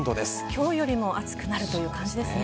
今日よりも暑くなるという感じですね。